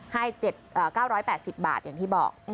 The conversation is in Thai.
ให้๙๘๐บาทอย่างที่บอก